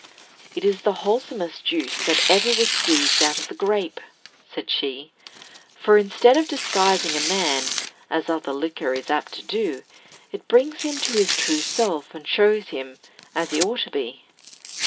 "It is the wholesomest juice that ever was squeezed out of the grape," said she; "for, instead of disguising a man, as other liquor is apt to do, it brings him to his true self, and shows him as he ought to be."